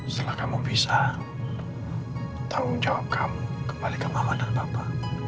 setelah kamu bisa tanggung jawab kamu kembali ke bawah dan bapak